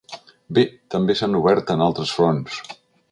Bé, també s’han obert en altres fronts.